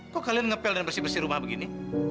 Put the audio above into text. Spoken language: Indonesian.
kok kalian ngepel dan bersih bersih rumah begini